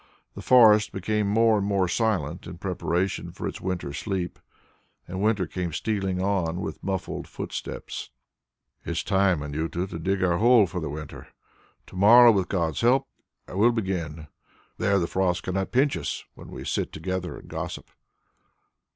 The forest became more and more silent in preparation for its winter sleep; and winter came stealing on with muffled footsteps. "It is time, Anjuta, to dig our hole for the winter. To morrow, with Gods help, I will begin. There the frost cannot pinch us, when we sit together and gossip."